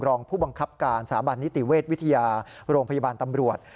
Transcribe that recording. รองผู้บังคับการสถาบันนิติเวชวิทยาโรงพยาบาลตำรวจ